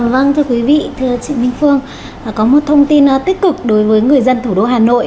vâng thưa quý vị thưa chị minh phương có một thông tin tích cực đối với người dân thủ đô hà nội